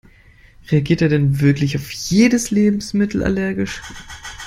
Reagiert er denn wirklich auf jedes Lebensmittel allergisch?